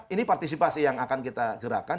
ini partisipasi yang akan kita gerakan